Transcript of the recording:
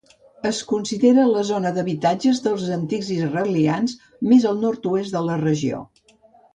Es considera la zona d'habitatge dels antics israelians més al nord-oest de la regió.